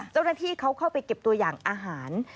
เจ้าหน้าที่เขาเข้าไปเก็บตัวอย่างอาหาร